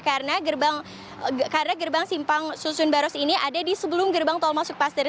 karena gerbang simpang susun baros ini ada di sebelum gerbang tol masuk paster